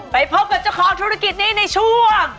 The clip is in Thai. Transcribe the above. ไปพบกับเจ้าของธุรกิจนี้ในช่วง